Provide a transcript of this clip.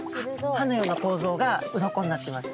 歯のような構造がウロコになってます。